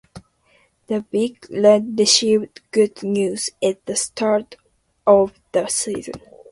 The Big Red received good news at the start of the season.